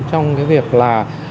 trong cái việc là